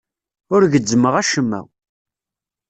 Ur gezzmeɣ acemma.